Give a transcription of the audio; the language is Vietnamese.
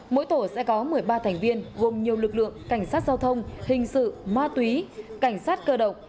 mỗi tổ sẽ có một mươi ba thành viên gồm nhiều lực lượng cảnh sát giao thông hình sự ma túy cảnh sát cơ động